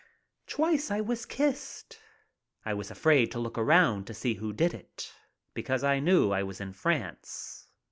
Twice I was kissed. I was afraid to look around to see who did it, because I knew I was in France.